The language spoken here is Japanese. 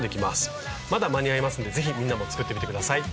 まだ間に合いますんでぜひみんなも作ってみて下さい。